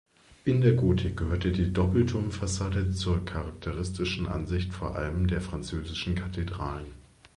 In der Gotik gehörte die Doppelturmfassade zur charakteristischen Ansicht vor allem der französischen Kathedralen.